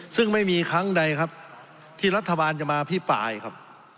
ซึ่งไม่มีครั้งใดครับที่รัฐบาลจะมาพิปรายครับ